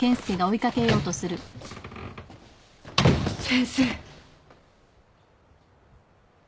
先生。